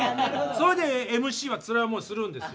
それでＭＣはつらい思いするんです。